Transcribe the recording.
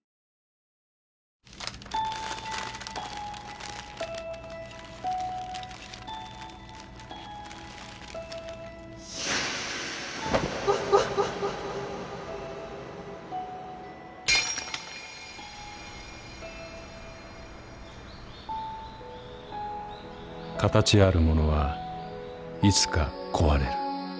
形あるものはいつか壊れる。